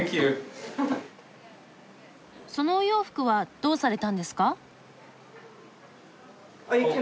そのお洋服はどうされたんですか？